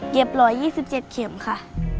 เย็บ๑๒๗เข็มค่ะ